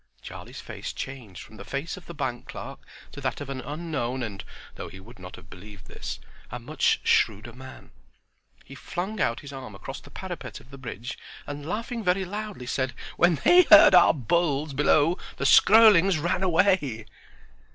Charlie's face changed from the face of the bank clerk to that of an unknown and—though he would not have believed this—a much shrewder man. He flung out his arm across the parapet of the bridge, and laughing very loudly, said: "When they heard our bulls bellow the Skroelings ran away!"